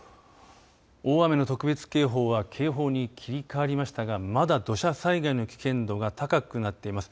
大雨の特別警報は警報に切り替わりましたがまだ土砂災害の危険度が高くなっています。